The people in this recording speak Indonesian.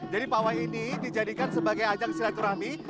jadi pak wai ini dijadikan sebagai ajang silaturahmi